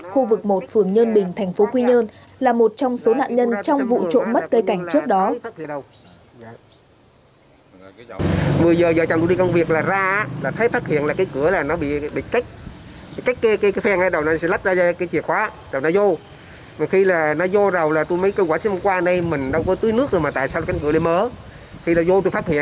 khu vực một phường nhơn bình tp quy nhơn là một trong số nạn nhân trong vụ trộm mất cây cảnh trước đó